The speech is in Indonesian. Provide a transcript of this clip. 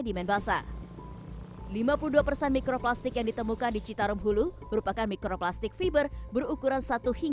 dalam jangka panjang mikroplastik dapat terakumulasi dalam tubuh organisme dan masuk ke rantai makanan